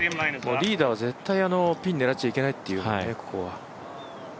リーダーは絶対ピンを狙っちゃいけないっていうね、ここは。